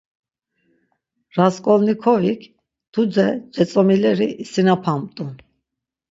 Rasǩolnikovik tude cetzomileri isinapamt̆u.